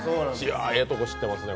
いいとこ知ってますね。